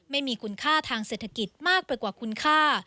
ไม่มีคุณค่าทางเศรษฐกิจมากไปกว่าคุณค่า